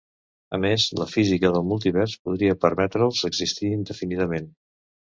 A més, la física del multivers podria permetre'ls existir indefinidament.